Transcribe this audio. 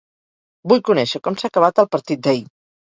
Vull conèixer com s'ha acabat el partit d'ahir.